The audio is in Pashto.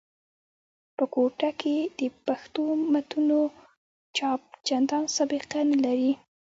په کوټه کښي د پښتو متونو چاپ چندان سابقه نه لري.